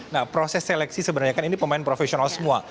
nah proses seleksi sebenarnya kan ini pemain profesional semua